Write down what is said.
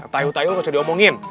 tayu tayu nggak usah diomongin